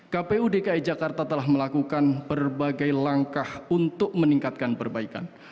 kpu dki jakarta telah melakukan berbagai langkah untuk meningkatkan perbaikan